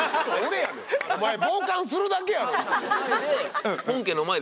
お前傍観するだけやろ。